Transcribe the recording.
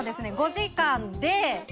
５時間で。